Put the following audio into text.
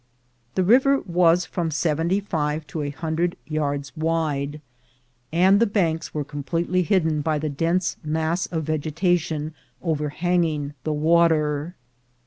The river was from seventy five to a hundred yards wide, and the banks were completely hidden by the dense mass of vegetation overhanging the water.